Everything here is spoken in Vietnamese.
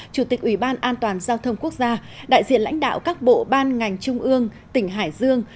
chủ tịch ubnd giao thông quốc gia đại diện lãnh đạo các bộ ban ngành trung ương tỉnh hải dương